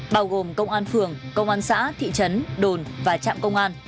bao gồm công an phường công an xã thị trấn đồn và trạm phòng